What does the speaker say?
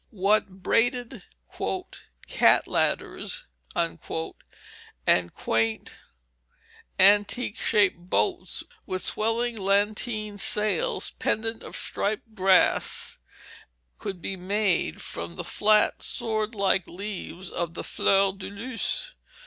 What braided "cat ladders," and quaint, antique shaped boats with swelling lateen sail and pennant of striped grass could be made from the flat, sword like leaves of the "flower de luce!"